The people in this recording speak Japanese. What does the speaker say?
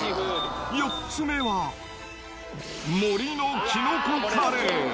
４つ目は、森のきのこカレー。